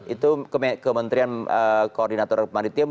itu kementerian koordinator maritim